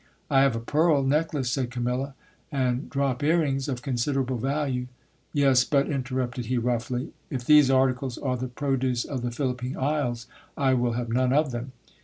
I have a pearl necklace, said Camilla, and drop ear rings of considerable value. Yes ; but, 54 GIL BLAS. interrupted he roughly, if these articles are the produce of the Philippine Isles, I will have none of them.